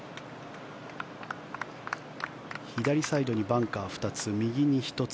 左サイドにバンカー２つ右に１つ。